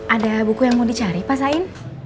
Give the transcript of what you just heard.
ada buku yang mau dicari pak sain